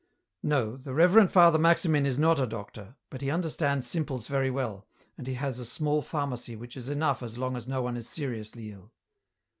" No — the Reverend Father Maximin is not a doctor, but he understands simples very well, and he has a small pharmacy which is enough as long as no one is seriously ill."